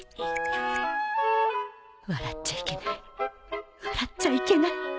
笑っちゃいけない笑っちゃいけない